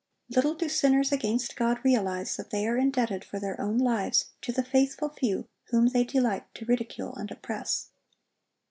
Little do sinners against God realize that they are indebted for their own lives to the faithful few whom they delight to ridicule and oppress.